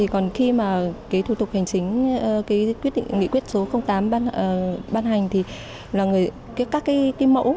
còn khi mà thủ tục hành chính nghị quyết số tám ban hành thì các mẫu